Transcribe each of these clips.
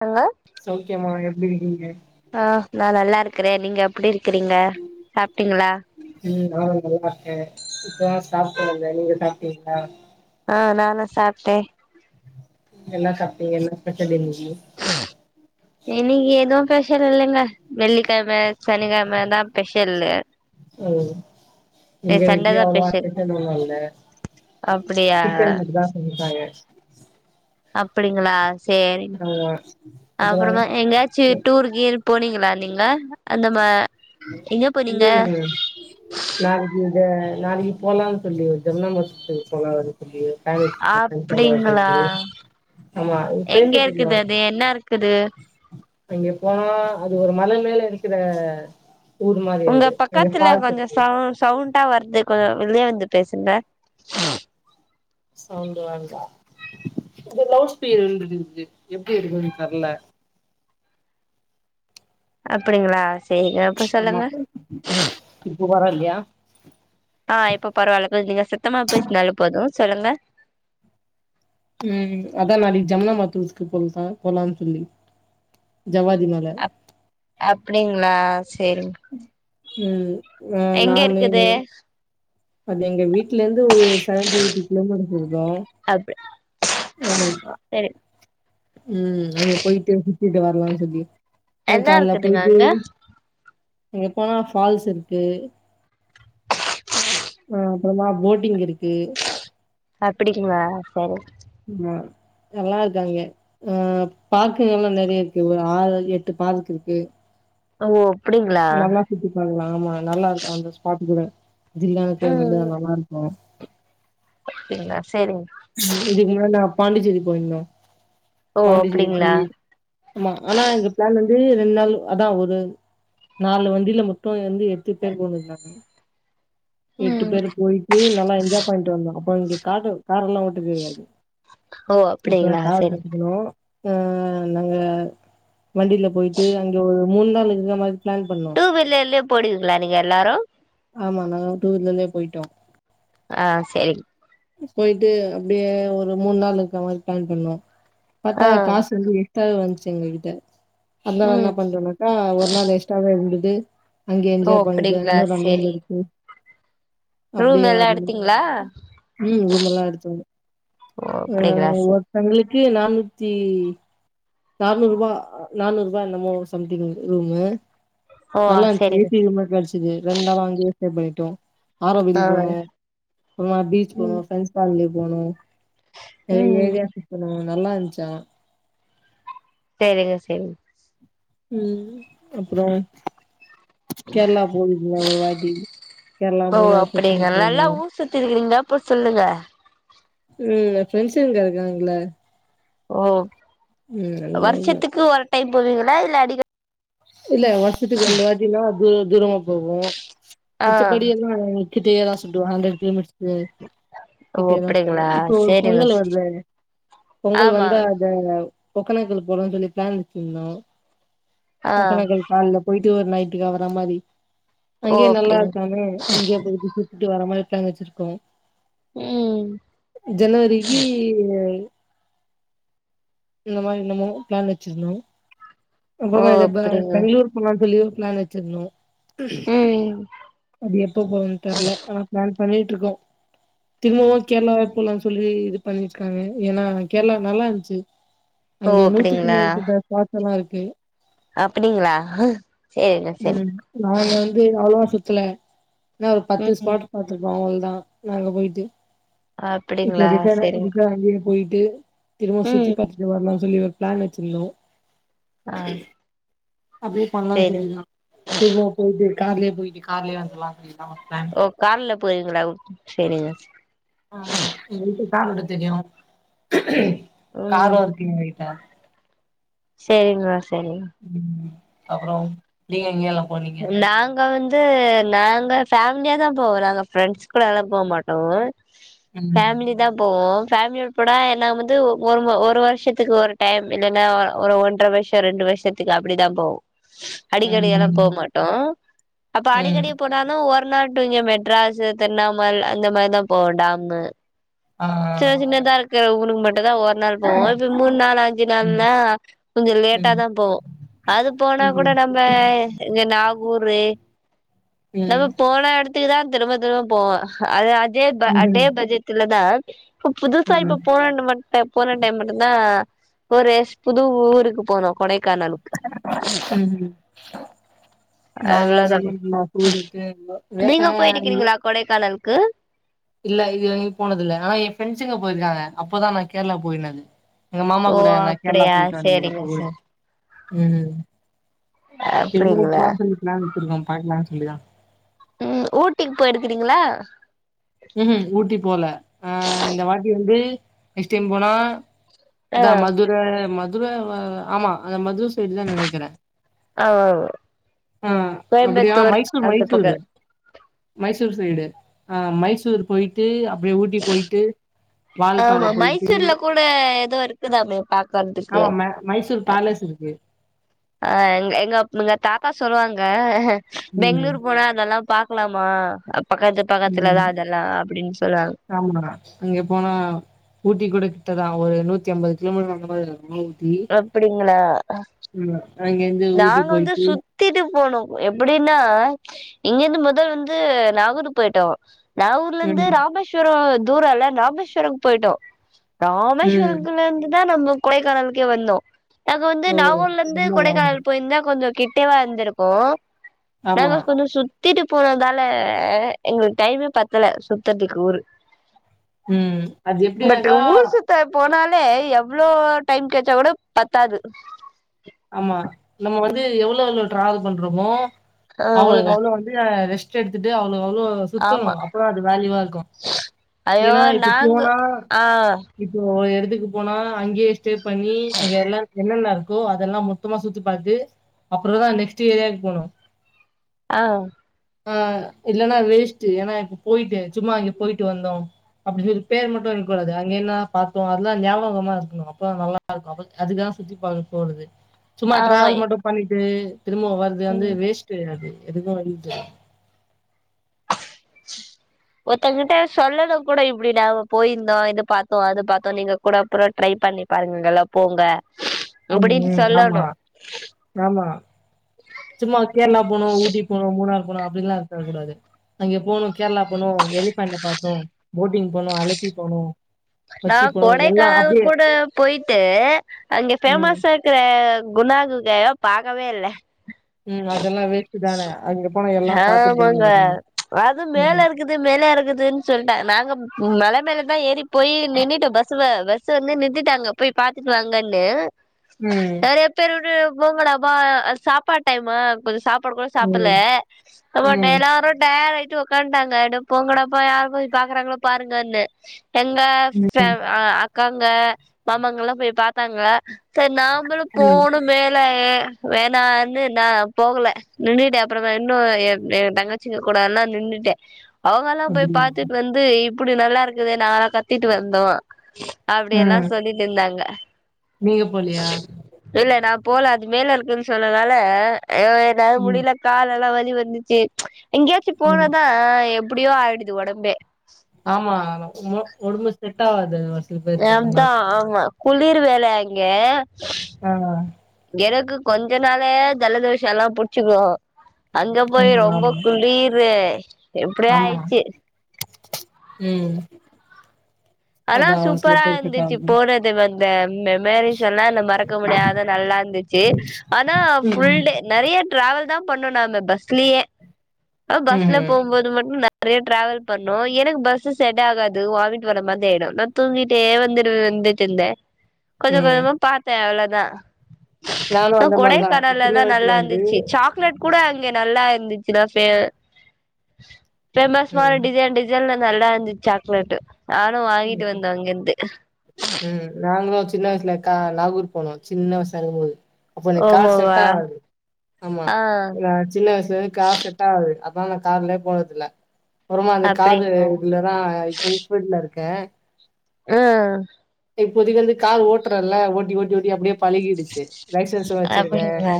Hello சௌக்கியமா எப்டி இருக்கீங்க ஆ நான் நல்லா இருக்கிறேன் நீங்க எப்டி இருக்கிறீங்க சாப்டீங்களா ம் நானும் நல்லா இருக்கேன் இப்பதா சாப்பிட்டு வந்தேன் நீங்க சாப்டீங்ளா ஆ நானு சாப்டேன் என்னா சாப்டீங்க என்ன ஸ்பெஷல் இன்னைக்கு இன்னிக்கு எதும் ஸ்பெஷல் இல்லங்க வெள்ளிக்கெழம சனிக்கெழமமதா ஸ்பெஷலு ம் எங்க சண்டே வீட்லயே தா அவ்ளவா ஸ்பெஷல் ஸ்பெசல் ஒன்னும் இல்ல அப்டியா சிக்கன் மட்டும்தா செஞ்சாங்க அப்டிங்களா சேரி ஆமா அப்றோ அப்பறமா எங்காச்சி டூருகீறு போனீங் லா நீங்க அந்த மா எங்க போனீங்க ம் நாளைக்கு இத நாளைக்கு போலான்னு சொல்லி ஜம்னா மாத்தூர் போலான்னு அப்டிங்களா சொல்லி [unintelligible] ஆமா எங்க பேசிட்டு இருந்தோ இருக்குது அது என்ன இருக்குது அங்க போனா அது ஒரு மல மேல இருக்கிற ஊர் மாரி உங்க அது அங்க பக்கத்துல ஃபால்ஸ் கொஞ்சம் இருக்கு சவு சவுண்டா வருது கொ வெளிய வந்து பேசுங்க சவுண்டு வருதா இந்த லவுட் ஸ்பீக்கர் விழுந்துருச்சி எப்டி எடுக்றதுனு தெர்ல அப்டிங்களா சேரிங்க இப்ப ஆமா சொல்லுங்க இப்ப பரவால்லையா ஆன் இப்போ பரவாயில்ல கொஞ்சோ நீங்க சத்தமா பேசுனாலே போதும் சொல்லுங்க ம் அதா நாளைக்கு ஜம்னா மாத்தூர்க்கு போல போலான்னு சொல்லி ஜவ்வாதுமல அப் அப்டிங்களா சேரிங் ம் அ எங்க நானு இருக்குது அது எங்க வீட்ல இருந்து செவன்டி எயிட் கிலோமீட்டர்ஸ் இருக்கும் அப் ஆமா ப்பா சரி ம் அங்க போயிட்டு சுத்திட்டு வரலாம்னு சொல்லி அதா என்ன கால்ல இருக்குதுங்க போய்டு அங்க அங்க போனா ஃபால்ஸ் இருக்கு ஆன் அப்பறமா போட்டிங் இருக்கு அப்டிங்களா சரி ஆமா நல்லா இருக்கு அங்க ஆ பார்க்குங்க எல்லாம் நெறைய இருக்கு ஒரு ஆறு எட்டு பார்க்குருக்கு ஓ அப்டிங்களா நல்லா சுத்தி பாக்கலாம் ஆமா நல்லா இருக்கும் அந்த ஸ்பாட் கூட ஜில்லான க்ளைமெட்டு தா ம் நல்லா இருக்கும் அப்டிங்களா சேரிங்க இதுக்கு முன்னா நா பாண்டிச்சேரி போயிருந்தோம் ஓ பாண்டிச்சேரி அப்டிங்களா போயி ஆமா ஆனா எங்க பிளான் வந்து ரெண்டு நாள் அதான் ஒரு நாலு வண்டியில மொத்தோ வந்து எட்டு பேர் ஒக்காந்துருந்தாங்க எட்டு ம் பேர் போயிட்டு நல்லா என்ஜாய் பண்ணிட்டு வந்தோம் அப்போ இங்க காட்டு கார எல்லாம் ஓட்டு தெரியாது ஓ இப்ப அப்டிங்களா தாவ சரிங் கத்துக்கணு ஆ நாங்க வண்டியில போயிட்டு அங்க ஒரு மூணு நாள் இருக்க மாதிரி பிளான் பண்ணம் டூ வீர்லர்லேயே போடுவீங்களா நீங்க எல்லாரு ஆமா நாங்க டூ வீர்லர்லயே போயிட்டோம் ஆ செரி போயிட்டு அப்டியே ஒரு மூணு நாள் இருக்க மாதிரி பிளான் பண்ணோம் பாத்தா ஆ காசு வந்து யிதல் வந்துச்சு எங்க கிட்ட அதனால ம் என்ன பண்றோனாக்கா ஒரு நாள் எக்ஸ்ட்டாவே உள்ளது அங்க ஓ என்ஜாய் பண்ணிட்டு அப்டிங்களா இன்னொம் ரொம்ப சரி இருக்கு ரூம் எல்லா எடுத்தீங்களா ம் ரூம்மல்லா எடுத்தோங்க ஓ ஆ அப்டிங்களா சரி ஒருத்தங்களுக்கு நானூத்தி நானூறு ரூபா நானூறு ரூபாய் என்னமோ சம்திங் ரூமு ஓ நல்லா இருச் ஏ சரிங்க சி ரூம் ஆ கிடைச்சது ரெண்டு நாளா அங்கேயே ரிசெர்வ் பண்ணிட்டோம் ஆரோபில் ஆ போனோம் அப்புறோமா பீச் ம் போனோம் ஃப்ரெண்ட்ஸ் பார்லி போனோம் ம் என்கையிங்க நா நல்லா இருந்துச்சான் செரிங்க செரி ம் அப்புறோ கேரளா போனு இன்னொரு வாட்டி கேரளா ஓ மூணாறு அப்டிங்க கொச்சின் நல்லா போனோ ஊர் சுத்த இருக்கிறீங்க அப்ப சொல்லுங்க ம் ஃபிரண்ட்ஸ்ங்க இங்க இருக்காங்களா ஓ அந்த மாரிதா வருஷத்துக்கு ஒரு டைம் போவீங்களா இல்ல அடிக்கடி இல்ல வருஷத்துக்கு ரெண்டு வாட்டிலா தூ தூரமா போவோ ஆ மிச்சப்படி எல்லா கிட்ட தா சுத்துவோம் ஹண்டர் கிலோமீட்டர்க்கு ஓ கிட்டயேதான் அப்படிங்களா சுத்துவோம் இப்போ ஒரு சரிங்க பொங்கல் வருது பொங்கல் ஆமா வந்தா ஜெனல்லவ் ஒக்கனாக்கல் போறோன்னு சொல்லி பிளான் வச்சிருந்தோம் ஆ ஒக்கனாக்கல் கால போயிட்டு ஒரு நைட்டுக்கா வர மாரி ஓ அங்கேயே நல்லா அப்படிங்க இருக்கானே அங்கேயே போயிட்டு சுட்டு வர மாதிரி பிளன் வச்சிருக்கோம் ம் ஜனவரிக்கு இந்த மாதிரி இனமோ பிளான் வச்சிருந்தோம் ஓ அப்புறமா இத பெ அப்படிங்க பெங்களூர் போலான் சொல்லி பிளான் வச்சிருந்தோம் ம் அது எப்ப போகன்னு தெரில ஆனா பிளான் பண்ணிட்டு இருக்கோம் திரும்பவும் கேரளா வா போலாம்னு சொல்லி இது பண்ணிருக்காங்க ஏன்னா கேரளா நல்லா இருந்துச்சு ஓ அங்க நூத்துக்கு அப்படிங்களா மேற்பட்ட ஸ்பாட்ஸ் எல்லா இருக்கு அப்டிங்களா செரிங்க ம் செரிங்க நாங்க வந்து அவ்வளவா சுத்துல என்ன ஒரு பத்து ம் ஸ்பாட் பத்துருப்போம் அவள தான் நாங்க போயிட்டு இப்ப அப்படிங்களா ரிடனு சரிங்க ரிடன் வாங்கி போயிட்டு திரும்பவு ம் சுத்தி பாத்துட்டு வரலாம்னு சொல்லி ஒரு பிளான் வச்சிருந்தோம் ஆ அப்டியே பண்ணலாம்னு சரி சொல்லி இருந்தான் திரும்பவு போயிட்டு கார்லே போயிட்டு கார்லே வந்தரலாம்னு நம்ம பிளான் ஓ கார்ல போறீங்களா ஓ செரிங்க ஆமா எங்க வீட்டுல கார் ஓட்ட தெரியு ம் காரு இருக்கு எங்க வீட்டுல செரிங்க செரிங்க ம் அப்புறோ நீங்க எங்க எல்லா போனீங்க அங்க வந்து நாங்க ஃபேமிலியா தான் போவோ நாங்க ஃப்ரெண்ட்ஸ்க்கூட எல்லா போ மாட்டோ ம் ஃபேமிலி தா போவோ ஃபேமிலியட போனா என்ன வந்து ஒ ஒரு ஒரு வருஷத்துக்கு ஒரு டைம் இல்லைனா ஒ ஒரு ஒன்றரை வருஷம் ரெண்டு வருஷத்துக்கு துக்கு அப்டிதா போவோ அடிக்கடி ம் எல்லா ம் போ மாட்டோ அப்ப ம் அடிக்கடி போ நான்னா ஒரு நாட்டு இங்க மெட்ராஸ் திருண்ணாமலை அந்த மாதிரிதா போவோம் டாமு ஆ சின்ன சின்னதா இருக்கிற ஊருக்கு மட்டுந்தா ஒரு நாள் போவோ இப்ப மூண் நாள் அஞ்சு ம் நாள்னா கொஞ்சொ லேட்டா ம் தா போவோ அது போனா கூட ம் நம்ப இங்க நாகூரு ம் நம்ம ம்ஹும் போன எடத்துக்கு தா திரும்ப திரும்ப போவோ அது அதே ம் அதே ம்ஹும் பட்ஜட்ல தா இப்ப புதுசா இப்ப போனுன்னு மட்ட போன டைம் மட்டு்ந்தா ஒரு புது ஊருக்கு போனோ கொடைக்கானலுக்கு ம் நாங்க அந்த அவ்ளோதா மாதிரி பூஜிட்டு இருந்தோ நீங்க விவசாயம் ஆள்இல்ல போயிருக்கிறீங்களா கொடைக்கானலுக்கு இல்ல இதுல எங்கயு போனது இல்ல ஆனா என் ஃப்ரெண்ட்ஸுங்க போயிருக்காங்க அப்பதா நா கேர்ளா போய்ருந்தது எங்க மாமா ஓ கூட நா கேர்ளா அப்டியா போயிட்டு வந்தங்க சேரிங்க அப்ப கூடு சார் ம் ம் திரும்பவும் அப்டிங்களா போலான்னு சொல்லி பிளான் வச்சிருக்கோ பாக்கலானு சொல்லிதா ம் ஊட்டிக்கி போய்ருக்கிறீங்களா ம்ஹும் ஊட்டி போல ஆ இந்த வாட்டி வந்து நெக்ஸ்ட் டைம் போனா ஆ அதா மதுர மதுர ஆமா அந்த மதுர சைடு தா நெனைக்கிறே ஆ ஆ அப்பிடியா கோயம்புத்தூர் மைசூர் அந்த மைசூரு பக்க மைசூர் சைடு ஆ மைசூ போயிட்டு அப்டியே ஊட்டி போயிட்டு வால்பாற போயிட்டு இப்ப எதோ இருக்குதாமே பாக் ஆமா மே மைசூர் பேலஸ் இருக்கு அ எங்க எங்க தாத்தா சொல்லுவாங்க ம். பெங்களூர் போனா அதெல்லாம் பாக்கலாமா பக்கத்து ம். பக்கத்துலதா அதெல்லா அப்டின் சொல்லுவாங்க ஆமா அங்கே போனா ஊட்டி கூட கிட்டதா ஒரு நூத்தி அம்பது கிலோமீட்டர் அந்த மாதிரி ஆமா அப்படிங்களா அங்கேருந்து ஊட்டி நாங்க வந்து போயிட்டு சுத் சுத்திட்டு போனோ எப்படின்னா இங்கேந்து மொதல் வந்து நாகூர் போயிட்டோ நாகூர்ல இருந்து ம். ராமேஸ்வரம் தூரோல்ல ராமேஸ்வரதுக்கு போயிட்டோ ம். ராமேஸ்வரக்குல இருந்து தா நம்ம கொடைக்கானலுக்கே வந்தோ நாங்க வந்து ஓ! நாகூர்லந்து ரொம்ப லாங்கு. கொடைக்கானல் போயிருந்தா கொஞ்சோ கிட்டேவா இருந்திருக்கூ நாங்க ஆமா. கொஞ்சொ சுத்திட்டு போனதால எங்களுக்கு டைமே பத்தல சுத்தறதுக்கு ஊரு ம் அது எப்டினாக்கா ட்ட போனாலே எவ்ளோ டைம் கெச்சா கூட பத்தாது ஆமா நம்ம வந்து எவ்வளோவுள்ளவு டிராவல் பண்றோமோ அவளுக்கு ஆமாங்க அவ்ளோ வந்து ஃபுள்ளா ரெஸ்ட் எடுத்துட்டு அவுளோக்கு அவுளோ சுத்தணு ஆமா அப்பதா அது வேல்யூவா இருக்கூ ஐயோ ஏன்னா இப்ப நாங்க போனா ஆ இப்போ ஒரு எடத்துக்கு போனா அங்கேயே ஸ்டே பண்ணி அங்க எல்லாம் என்னென்ன இருக்கோ அத அதெல்லாம் மொத்தமா சுத்தி பாத்து அப்புறோ தா நெக்ஸ்ட் ஏரியாக்கு போணு ஆ ஆ இல்லைன்னா வேஸ்ட்டு ஏன்னா இப்ப போயிட்டு சும்மா அங்கே போயிட்டு வந்தோ அப்டி சொல்லி பேர் மட்டு இருக்க கூடாது அங்க என்ன பாத்தோ அதெல்லாம் ஞாபகமா இருக்கனு அப்பதா நல்லா ருக்கூ அதுக்குதா சுத்தி பாக்க போறது சும்மா ஆமா டிராவல் மட்டு பண்ணிட்டு திரும்ப வருது வந்து ம் வேஸ்ட் அது எதுக்குமே [unintelligible] ஒருத்தங்கிட்ட சொல்லறது கூட இப்படிடா போயிருந்தோ இத பாத்தோ அத பாத்தோ‌ நீங்க கூட அப்றொ ட்ரை பண்ணி பாருங்கல்லா போங்க ம் அப்டின்னு ம் ஆமா சொல்லணு ஆமா சும்மா கேரளா போனோ ஊட்டி போனோ மூணாறுக்கு போனோ அப்டின்லா இருக்க கூடாது அங்கே போனோ கேரளா போனோ எலிஃபண்ட பாத்தோ போட்டிங் போனோ அலப்பி போனோ நா கொச்சி போனோ எல்லா கொடைக்கானல்க்கு அப்டியே கூட போயிட்டு அங்க ம் ஃபேமஸா க்குற குணா கொகைய பாக்கவே இல்ல ம் அதெல்லா வேஸ்டு தான அங்க போன எல்லா பாத்துட்டு தான வரணு வரணு க்குது மேலே இருக்குதுன்னு சொல்லிட்டே நாங்க மலை மேல தா ஏறி போய் நின்னுட்டு பஸ் ல பஸ்ஸ ஒடனே நிறுத்திட்டாங்க போய் பாத்துட்டு வாங்கன்னு ம் நெறைய பேரு உடனே போங்கடாப்பா அது சாப்பாடு டைமா கொஞ்சோ சாப் பாடு கூட சாப்பில ம் பட் ம் எல்லாரு டயடா ஆயிட்டு உக்காண்டாங்க அட போங்கடப்பா யாரு போய் பாக்குறாங்களோ பாருங்கன்னு எங்க ஃபே ஆ அக்காங்க மாமாங்க ல்லா போய் பாத்தாங்கள செரி நாமளு ம் போனு மேல வேணானு நா போகல நின்னுட்டே அப்பறமா இன்னு எ எ தங்க ச்சிங்க கூட ல்லா நின்னுட்டே அவுங்க எல்லா போய் அப்படியா? பாத்துட்டு வந்து இப்டி நல்லா இருக்குது நாங்கல்லா கத்திட்டு வந்தோ அப்டியெல்லா ம் சொல்லிட்டு இருந்தாங்க நீங்க போலயா இல்ல நா போல அது மேல இருக்குன்னு சொன்னனால அய்யோ என்னால ம் முடில கால் எல்லா வலி வந்துச்சு எங்கேயாச்சு ம் போனதா எப்டியோ ஆயிடுது ஒடம்பே ஆமா ஒங்களோ ஒடம்பு செட் ஆவாது அது வர்ஸ் நெப்தா ஆமா குளிர் வேல அங்கே ஆ எனக்கு கொஞ்ச நாளே ஜலதோஷல்லா புடிச்சுக்கு அங்க போயி ம் ரொம்ப ஆமா குளிரு எப்டியே ஆமா ஆயிச்சு ம் ஆனா அதா ஒரு சில சூப்பரா பேருக்கு செட் இருந்துச்சு ஆகுது போனது ந்த வந்த மெமரிஸ் எல்லா மறக்க முடியாத நல்லா இருந்துச்சு ஆனா ம் ஃபுல்டே நெறைய டிரராவல் தா பண்ணோ நா அந்த பஸ்லயே ஆ பஸ்ல ம் போபோது மட்டு ட நெறைய டிராவல் பண்ணோ எனக்கு பஸ்சு செட் ஆகாது வாமிட் வர மாரி யே ஆயிடு நா தூங்கிட்டே வந்துடு வந்துட்டுந்தே கொஞ்ச ம் கொஞ்சமா பாத்தே அவ்ளோதா நானு ஆ அந்த மாரிதா சின்ன கொடைக்கானல்லா வயசுல நல்லா இருந்து இருந்துச்சி சாக் லேட் கூட அங்க நல்லா இருந்துச்சுனா ஃபே ஃபேமஸ் மாரி ம் டிசைன் டி டிசைன் நல்லா இருந்துச்ச சாக்லேட்டு நானு வாங்கிட்டு வந்தே அங்கேருந்து ம் நாங்களு சின்ன வயசுல கா நாகூர் போனோ சின்ன வயசு இருக்கு போது அப்ப எனக்கு கார் ஓமோவா செட்டா ஆகாது ஆமா ஆ நா சின்ன வயசுல இருந்து கார் செட் டாகது அதா கார்லயே போனதில்ல அப்பறமா அந்த காரு அப்டிங்களா இதுலதா இப்பதைக்கு ஃபில்லா ருக் கே அ இப்போதைக்கு வந்து கால் ஓட்டுறேல ஓட்டி ஓட்டி ஓட்டி அப்டியே பழகிடுச்சு லைச்சன்ஸ்லா வச்சிருக்கே அப்டிங்களா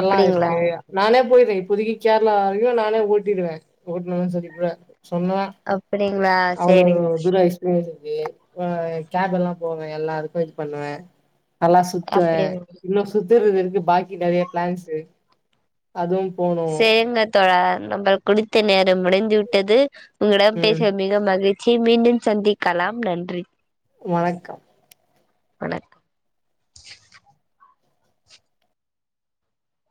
எல்லா இருக்கு நானே போய்ட்டுக்கிறே இப்போதைக்கு கேரளா வரையு நானே ஓட்டிடுவே ஓட்டணு சொல்லி கூட சொன்னா அப்டிங்களா சேரிங் போயிது அ கேப் எல்லா போவே எல்லாருக்கு இது பண்ணுவே நல்லா சுத்துவே அப்டிங்க இன்னு சுத்துறது இருக்கு பாக்கி நெறைய பிளான்ஸு அதுவு போணு செரிங்க தோழா நம்ம குறித்த நேரம் முடிந்து விட்டது உங்களிடம் ம் பேசுயது மிகவு மகிழ் ச்சி மீண்டும் சந்திக்கலாம் நன்றி வணக்கம் வணக்